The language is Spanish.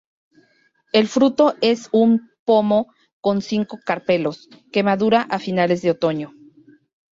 El fruto es un pomo con cinco carpelos, que madura a finales de otoño.